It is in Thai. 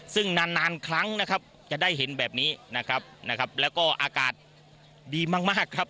ซึ่งนานครั้งนะครับจะได้เห็นแบบนี้นะครับแล้วก็อากาศดีมากครับ